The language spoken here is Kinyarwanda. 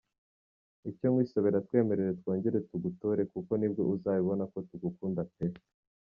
Icyo nkwisabira twemerere twongere tugutore kandi nibwo uzabibona ko tugukunda pe!!!!!!!!!!!!!!!!!!!!!!!!!!.